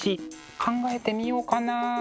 考えてみようかな？